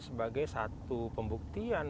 sebagai satu pembuktian